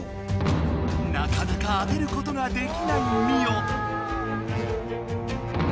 なかなか当てることができないミオ。